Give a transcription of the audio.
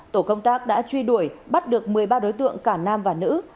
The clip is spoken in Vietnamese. tổ công tác đã truy đuổi bắt được một mươi ba đối tượng cả nam và nữ